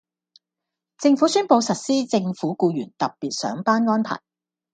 政府宣布實施政府僱員特別上班安排